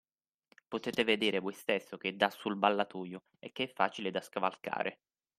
Potete vedere voi stesso che dà sul ballatoio e che è facile da scavalcare.